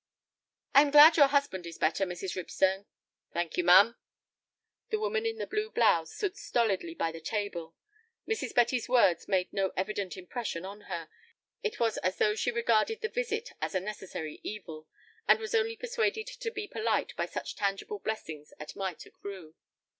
"I am glad your husband is better, Mrs. Ripstone." "Thank you, ma'am." The woman in the blue blouse stood stolidly by the table. Mrs. Betty's words made no evident impression on her. It was as though she regarded the visit as a necessary evil, and was only persuaded to be polite by such tangible blessings as might accrue.